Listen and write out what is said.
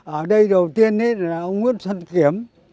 ở đây đầu tiên là ông nguyễn xuân kiểm